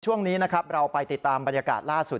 ช่วงนี้นะครับเราไปติดตามบรรยากาศล่าสุด